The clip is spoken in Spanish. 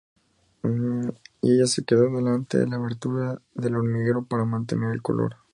Y ella se quedó delante de la abertura del hormiguero para mantener el calor.